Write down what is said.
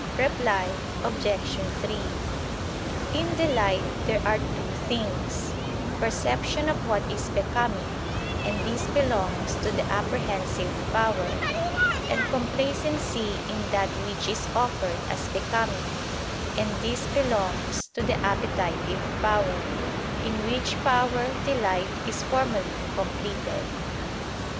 Reply Obj. 3: In delight there are two things: perception of what is becoming; and this belongs to the apprehensive power; and complacency in that which is offered as becoming: and this belongs to the appetitive power, in which power delight is formally completed.